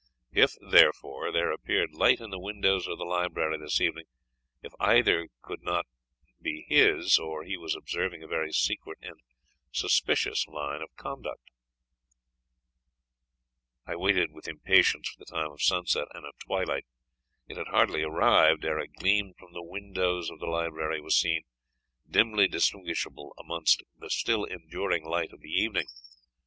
If, therefore, there appeared light in the windows of the library this evening, it either could not be his, or he was observing a very secret and suspicious line of conduct. I waited with impatience the time of sunset and of twilight. It had hardly arrived, ere a gleam from the windows of the library was seen, dimly distinguishable amidst the still enduring light of the evening.